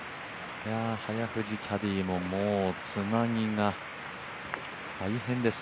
早藤キャディーももうつなぎが大変です。